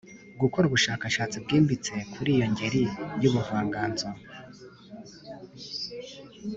gukora ubushakashatsi bwimbitse kuri iyo ngeri y’ubuvanganzo.